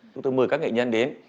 chúng tôi mời các nghệ nhân đến